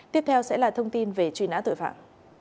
tiếp theo sẽ là thông tin về truy nã tội phạm